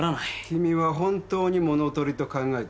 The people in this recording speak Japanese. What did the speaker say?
君は本当に物盗りと考えてるの。